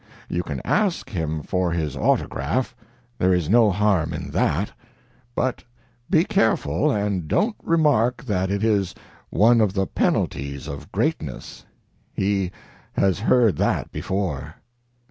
.. "You can ask him for his autograph there is no harm in that but be careful and don't remark that it is one of the penalties of greatness. He has heard that before."